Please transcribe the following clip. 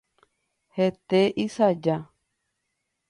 Hete ysaja.